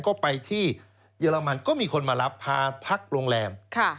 ก็ไปที่เยอรมันก็มีคนมารับพาพักโรงแรม